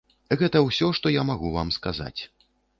Гэта ўсё, што я магу вам сказаць.